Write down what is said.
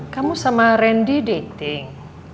kamu sama randy dating